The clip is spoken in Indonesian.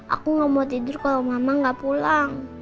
aku gak mau tidur kalau mama gak pulang